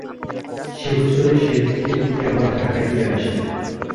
সে বছরের শেষ দিকে তিনি আবার ঢাকায় ফিরে আসেন।